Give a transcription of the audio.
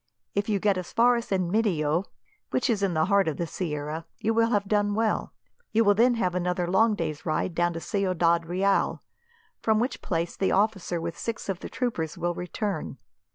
If you get as far as Enmedio, which is in the heart of the sierra, you will have done well. You will then have another long day's ride down to Ciudad Real, from which place the officer with six of the troopers will return.